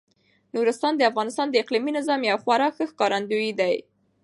نورستان د افغانستان د اقلیمي نظام یو خورا ښه ښکارندوی دی.